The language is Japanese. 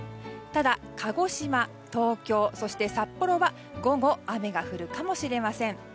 ただ鹿児島、東京、そして札幌は午後、雨が降るかもしれません。